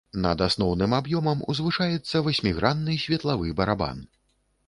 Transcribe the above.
Над асноўным аб'ёмам узвышаецца васьмігранны светлавы барабан.